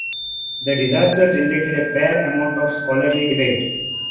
The disaster generated a fair amount of scholarly debate.